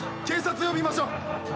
警察呼びましょう。